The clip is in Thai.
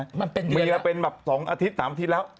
มันเป็นเดือนแล้วมีก็เป็นแบบ๒อาทิตย์๓อาทิตย์แล้ว